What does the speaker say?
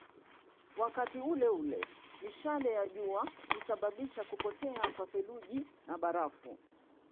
Wakati uleule mishale ya jua husababisha kupotea kwa theluji na barafu